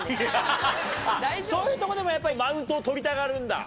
そういうとこでもやっぱりマウントを取りたがるんだ？